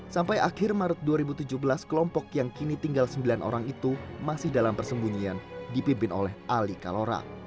sampai akhir maret dua ribu tujuh belas kelompok yang kini tinggal sembilan orang itu masih dalam persembunyian dipimpin oleh ali kalora